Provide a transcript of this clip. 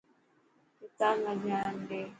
ڪتاب ۾ ڌيان ڏي.